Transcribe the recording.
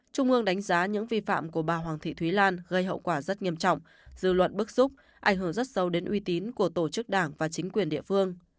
trung ương đánh giá những vi phạm của bà hoàng thị thúy lan gây hậu quả rất nghiêm trọng dư luận bức xúc ảnh hưởng rất sâu đến uy tín của tổ chức đảng và chính quyền địa phương